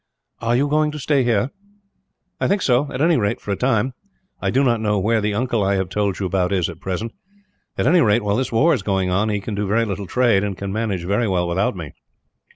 "Are you going to stay here?" "I think so at any rate, for a time. I do not know where the uncle I have told you about is, at present. At any rate, while this war is going on he can do very little trade, and can manage very well without me."